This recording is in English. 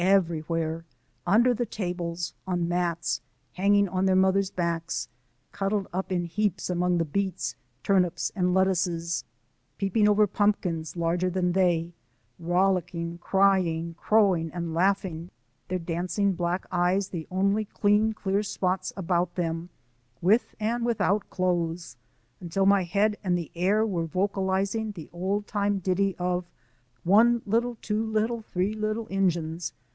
everywhere; under the tables, on mats, hanging on their mothers' backs, cuddled up in heaps among the beets, turnips, and lettuces, peeping over pumpkins larger than they ; rollicking, cry ing, crowing, and laughing, their dancing black eyes the only clean, clear spots about them — with and without clothes — until my head and the air were vocalizing the old time ditty of "One little, two little, three little Injuns."